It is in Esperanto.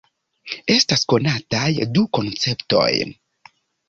Estas konataj du konceptoj.